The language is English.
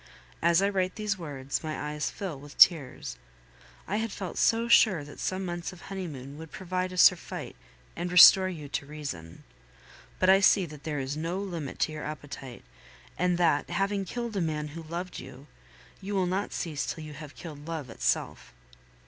As I write these words, my eyes fill with tears. I had felt so sure that some months of honeymoon would prove a surfeit and restore you to reason. But I see that there is no limit to your appetite, and that, having killed a man who loved you, you will not cease till you have killed love itself.